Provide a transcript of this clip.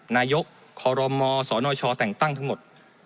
นายกคอรมสนชแต่งตั้งทั้งหมด